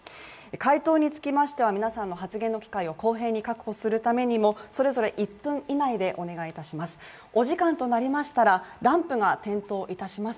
回答につきましては皆さんの発言の機会を公平に確保するためにも、それぞれ１分以内でお願いいたします。